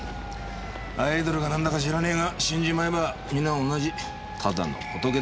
アイドルかなんだか知らねえが死んじまえばみんな同じただの仏だ。